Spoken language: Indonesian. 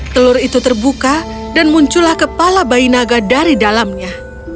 telur itu terbuka dan muncullah kepala bayi naga dari dalamnya